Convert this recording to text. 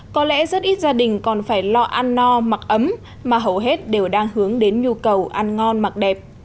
có lẽ rất ít gia đình còn phải lo ăn no mặc ấm mà hầu hết đều đang hướng đến nhu cầu ăn ngon mặc đẹp